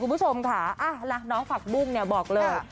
คุณผู้ชมค่ะน้องผักบุ้งเนี่ยบอกเลย